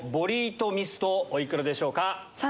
お幾らでしょうか？